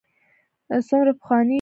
څومره پخواني یو.